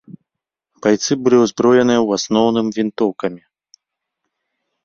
Байцы былі ўзброеныя ў асноўным вінтоўкамі.